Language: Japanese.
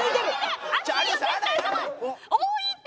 「多いって！」